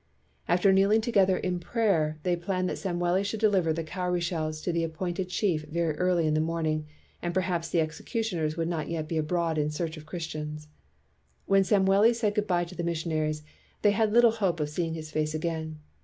After kneeling together in prayer, they planned that Samweli should deliver the 245 WHITE MAN OF WORK cowry shells to the appointed chief very early in the morning, and perhaps the exe cutioners would not yet be abroad in search of Christians. When Samweli said good by to the missionaries, they had little hope of seeing his face again.